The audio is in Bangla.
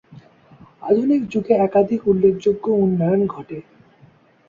আধুনিক যুগে একাধিক উল্লেখযোগ্য উন্নয়ন ঘটে।